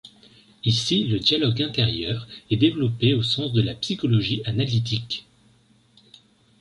Ici le dialogue intérieur est développé au sens de la psychologie analytique.